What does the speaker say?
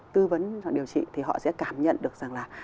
tư vấn điều trị thì họ sẽ cảm nhận được rằng là